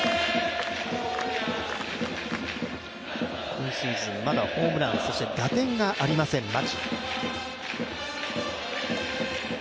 今シーズン、まだホームラン打点がありません、牧。